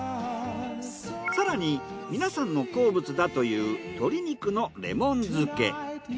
更に皆さんの好物だという鶏肉のレモン漬け。